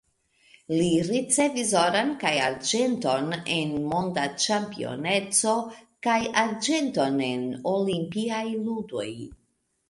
Li ricevis oron kaj arĝenton en monda ĉampioneco kaj arĝenton en olimpiaj ludoj.